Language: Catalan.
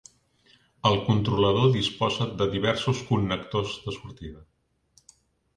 El controlador disposa de diversos connectors de sortida.